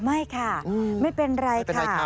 ไม่ค่ะไม่เป็นไรค่ะ